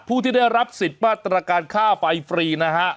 ผู้ที่ได้รับสิทธิ์มาตรการค่าไฟฟรีนะฮะ